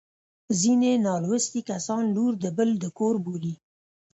ځیني نالوستي کسان لور د بل د کور بولي